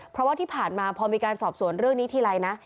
เพราะว่าที่ผ่านมาพอมีการสอบสวนเรื่องนี้ทีไรนะ